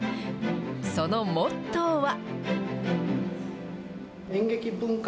そのモットーは。